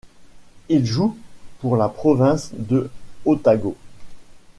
Il joue pour la province de Otago.